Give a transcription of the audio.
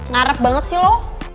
ngarap banget sih lo